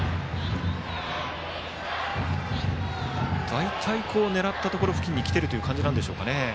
大体狙ったところ付近に来ている感じでしょうか。